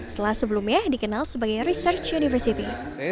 setelah sebelumnya dikenal sebagai research university